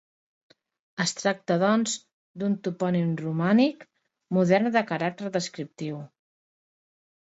Es tracta, doncs, d'un topònim romànic modern de caràcter descriptiu.